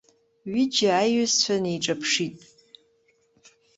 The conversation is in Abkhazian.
Ҩыџьа аиҩызцәа неиҿаԥшит.